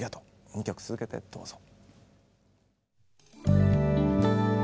２曲続けてどうぞ。